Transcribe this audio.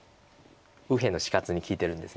右辺の死活に利いてるんです。